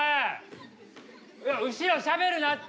後ろしゃべるなって。